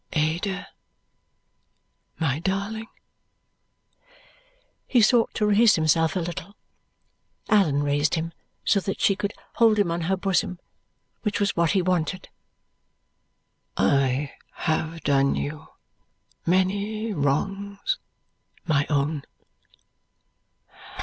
"Ada, my darling!" He sought to raise himself a little. Allan raised him so that she could hold him on her bosom, which was what he wanted. "I have done you many wrongs, my own.